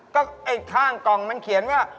ก็ไอ้ข้างกล่องมันเขียนว่า